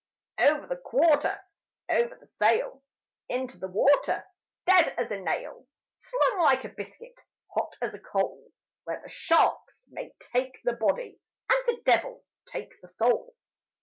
Over the quarter, Over the sail, Into the water, Dead as a nail, Slung like a biscuit, Hot as a coal, Where the sharks may take the body, And the devil take the soul!